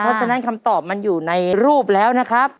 เพราะฉะนั้นคำตอบมันอยู่ในรูปแล้วนะครับ